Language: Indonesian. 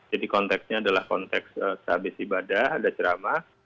jadi konteksnya adalah konteks sahabat ibadah ada ceramah